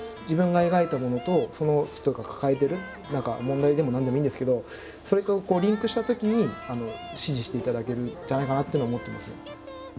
自分が描いたものとその人が抱えてる何か問題でも何でもいいんですけどそれとリンクしたときに支持していただけるんじゃないかなっていうのは思ってますね。